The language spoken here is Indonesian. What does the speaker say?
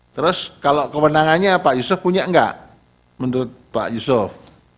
terus kalau kewenangannya pak yusuf punya enggak menurut pak yusuf